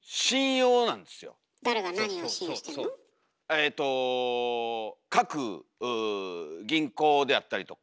えと各銀行であったりとか。